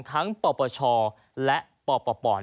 ทั้งปรปชและปรปป่อน